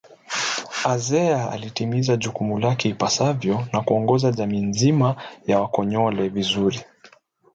Azea alitimiza jukumu lake ipasavyo na kuongoza jamii nzima ya wakonyole vizuri